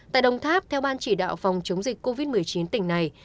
tại đồng tháp theo ban chỉ đạo phòng chống dịch covid một mươi chín tỉnh này